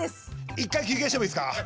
一回休憩してもいいですか？